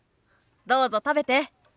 どうぞ食べて。